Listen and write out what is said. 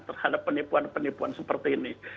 terhadap penipuan penipuan seperti ini